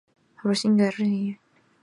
杭州大会展中心